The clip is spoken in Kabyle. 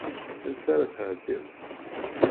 Ansa ara tɛeddim?